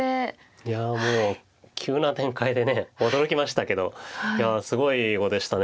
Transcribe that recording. いやもう急な展開で驚きましたけどすごい碁でした。